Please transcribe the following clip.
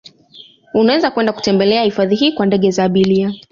Unaweza kwenda kutembelea hifadhi hii kwa ndege za abiria